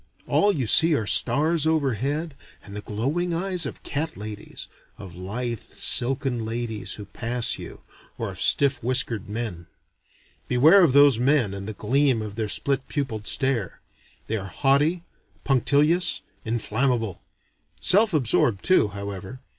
All you see are stars overhead and the glowing eyes of cat ladies, of lithe silken ladies who pass you, or of stiff whiskered men. Beware of those men and the gleam of the split pupiled stare. They are haughty, punctilious, inflammable: self absorbed too, however.